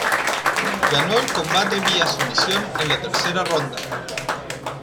Ganó el combate vía sumisión en la tercera ronda.